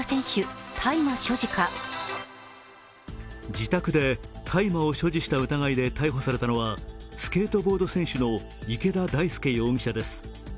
自宅で大麻を所持した疑いで逮捕されたのはスケートボード選手の池田大亮容疑者です。